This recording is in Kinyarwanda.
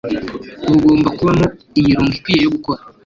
bugomba kubamo imirongo ikwiye yo gukora